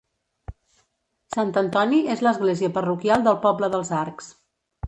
Sant Antoni és l'església parroquial del poble d'Els Arcs.